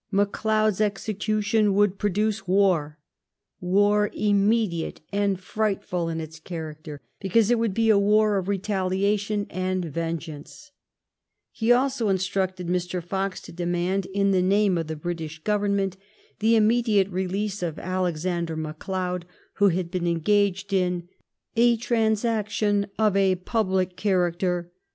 V McLeod's execution would produce war, war immediate and frightful in its character, because it would be a wwr ^ of retaliation and vengeance/' He also instructed Mr. *' Fox to demand, in the name of the British Govern ment, the immediate release of Alexander McLeod, who" had been engaged in *^ a transaction of a public character